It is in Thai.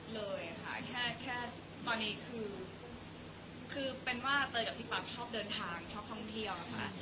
เลยค่ะแค่ตอนนี้คือเป็นว่าเตยกับพี่ปั๊บชอบเดินทางชอบท่องเที่ยวค่ะ